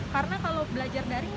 karena kalau belajar dari kenapa